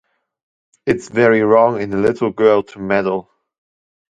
It’s very wrong in a little girl to meddle.